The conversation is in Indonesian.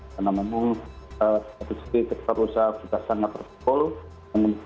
karena memang seperti saya kita sangat bersekolah